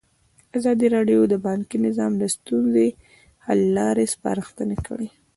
ازادي راډیو د بانکي نظام د ستونزو حل لارې سپارښتنې کړي.